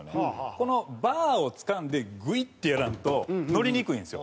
このバーをつかんでグイッとやらんと乗りにくいんですよ。